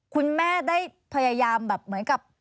คุณแม่ได้พยายามแบบเหมือนกับ